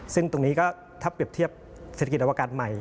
ซึ่งตรงนี้ก็ถ้าเปรียบเทียบเศรษฐกิจอวกาศใหม่